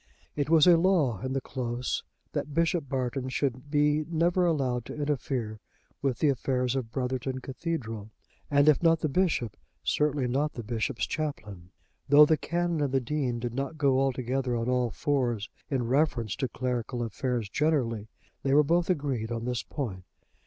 It was a law in the Close that Bishop Barton should be never allowed to interfere with the affairs of Brotherton Cathedral; and if not the bishop, certainly not the bishop's chaplain. Though the Canon and the Dean did not go altogether on all fours in reference to clerical affairs generally they were both agreed on this point.